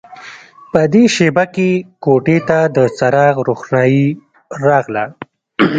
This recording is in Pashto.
په دې شېبه کې کوټې ته د څراغ روښنايي راغله